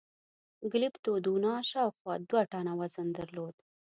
ګلیپتودونانو شاوخوا دوه ټنه وزن درلود.